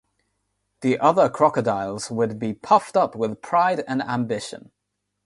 The other crocodiles would be puffed up with pride and ambition.